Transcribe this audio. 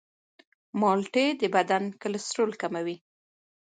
مالټې د بدن کلسترول کموي.